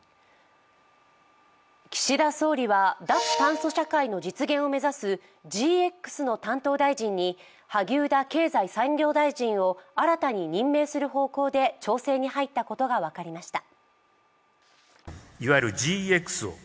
岸田総理は脱炭素社会の実現を目指すＧＸの担当大臣に萩生田経済産業大臣を新たに任命する方向で調整に入ったことが分かりました。